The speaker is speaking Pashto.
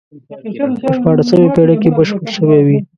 په شپاړسمې پېړۍ کې بشپړ شوی وي.